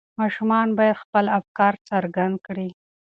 ماشومان باید خپل افکار څرګند کړي.